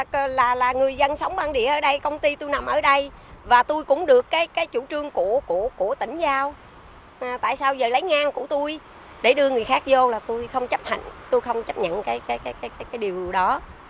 để đưa người khác vô là tôi không chấp hẳn tôi không chấp nhận cái điều đó